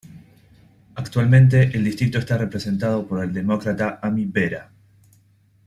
Actualmente el distrito está representado por el Demócrata Ami Bera.